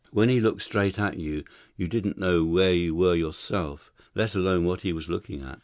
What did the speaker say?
When he looked straight at you, you didn't know where you were yourself, let alone what he was looking at.